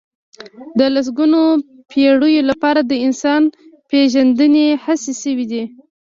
د لسګونو پېړيو لپاره د انسان پېژندنې هڅې شوي دي.